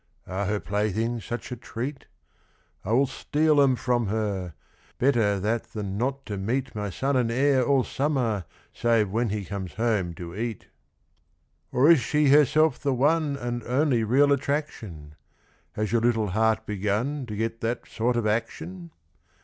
Are her playthings such a treat? I will steal 'em from her; Better that than not to meet My son and heir all summer, Save when he comes home to eat. Or is she herself the one And only real attraction? Has your little heart begun To get that sort of action?